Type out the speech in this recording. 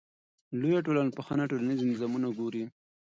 لویه ټولنپوهنه ټولنیز نظامونه ګوري.